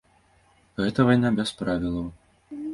Гэта вайна без правілаў.